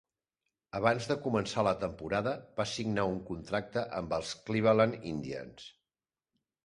Abans de començar la temporada va signar un contracte amb els Cleveland Indians.